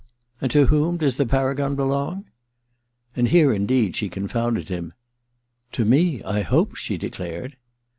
^ And to whom does the paragon belong ?' And here indeed she confounded him. ^ To me — I hope,' she declared.